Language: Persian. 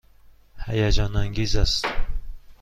هیجان انگیز است.